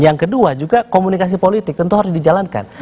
yang kedua juga komunikasi politik tentu harus dijalankan